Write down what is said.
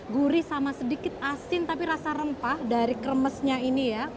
gurih sama sedikit asin tapi rasa rempah dari kremesnya ini ya